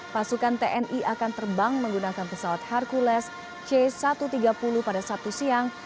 pasukan tni akan terbang menggunakan pesawat hercules c satu ratus tiga puluh pada sabtu siang